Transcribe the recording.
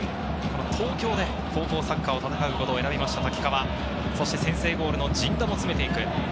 東京で高校サッカーを戦うことを選びました瀧川、そして先制ゴールの陣田も詰めていく。